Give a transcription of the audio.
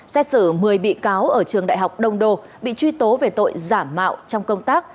xét xử một mươi bị cáo ở trường đại học đông đô bị truy tố về tội giả mạo trong công tác